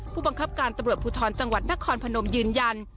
ผู้บังคับการตำรวจภูทรจังหวัดนครพนมยืนยัน